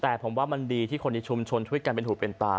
แต่ผมว่ามันดีที่คนในชุมชนช่วยกันเป็นหูเป็นตา